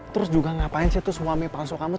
terus juga ngapain sih tuh suami palsu kamu